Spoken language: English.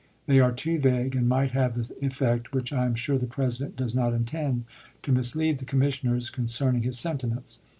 They are too vague, and might have the effect (which I am sure the President does not intend) to mislead the commissioners concerning his sentiments.